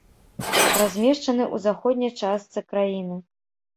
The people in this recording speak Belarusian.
Размешчаны ў заходняй частцы краіны.